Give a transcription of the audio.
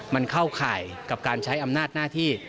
มันเข้าข่ายกับการใช้อำนาจหน้าที่